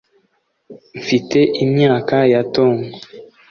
mfite imyaka ya tom